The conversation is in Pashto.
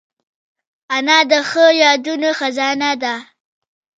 انا د ښو یادونو خزانه ده